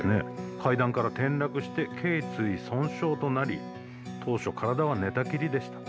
階段から転落してけい椎損傷となり当初、体は寝たきりでした。